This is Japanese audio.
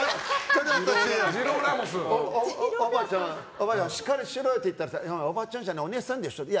おばちゃんしっかりしろよって言ったらおばあちゃんじゃないお姉さんでしょって。